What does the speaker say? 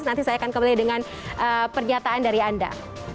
nanti saya akan kembali dengan pernyataan dari anda